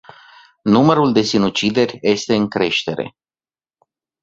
Numărul de sinucideri este în creștere.